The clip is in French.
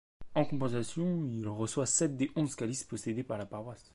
En compensation, il reçoit sept des onze calices possédés par la paroisse.